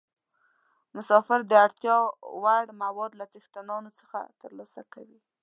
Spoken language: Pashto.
مسافر د اړتیا وړ مواد له څښتنانو څخه ترلاسه کوي.